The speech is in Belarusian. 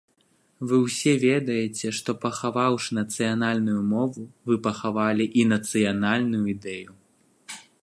Вы ўсе ведаеце, што пахаваўшы нацыянальную мову, вы пахавалі і нацыянальную ідэю!